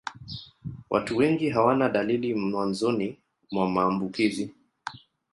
Watu wengi hawana dalili mwanzoni mwa maambukizi.